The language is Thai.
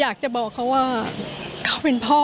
ลูกชายวัย๑๘ขวบบวชหน้าไฟให้กับพุ่งชนจนเสียชีวิตแล้วนะครับ